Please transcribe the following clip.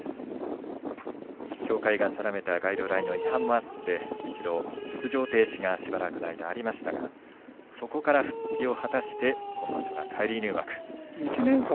協会が定めたガイドラインの違反があって一度、出場停止がしばらくの間ありましたがそこから復帰を果たして今場所は返り入幕。